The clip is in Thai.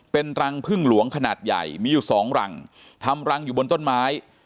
เป็นรังพึ่งหลวงขนาดใหญ่มีอยู่สองรังทำรังอยู่บนต้นไม้